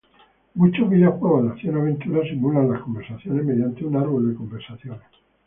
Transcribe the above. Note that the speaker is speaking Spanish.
Muchos videojuegos de acción-aventura simulan las conversaciones mediante un árbol de conversaciones.